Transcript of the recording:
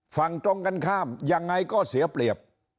ฝั่งตรงกันข้ามยังไงก็เสียเปรียบ